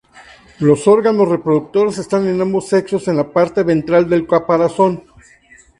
Los órganos reproductores están, en ambos sexos, en la parte ventral del caparazón.